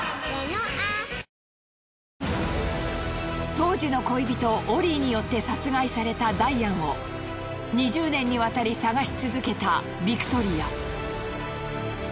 当時の恋人オリーによって殺害されたダイアンを２０年にわたり捜し続けたビクトリア。